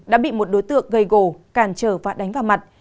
đã bị một đối tượng gây gồ càn trở và đánh vào mặt